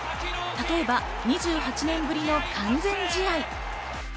例えば２８年ぶりの完全試合。